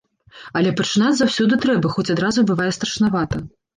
Але пачынаць заўсёды трэба, хоць адразу і бывае страшнавата.